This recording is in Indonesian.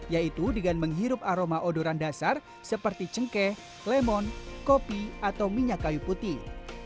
yaitu dengan menghirup aroma odoran dasar seperti cengkeh lemon kopi atau minyak kayu putih